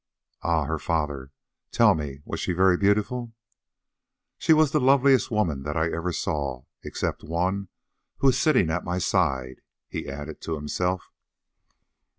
"Ah! her father. Tell me, was she very beautiful?" "She was the loveliest woman that I ever saw—except one who is sitting at my side," he added to himself.